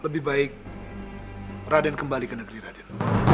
lebih baik raden kembali ke negeri raden